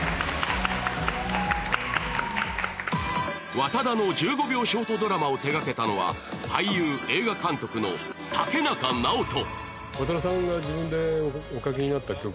和多田の１５秒ショートドラマを手掛けたのは、俳優・映画監督の竹中直人。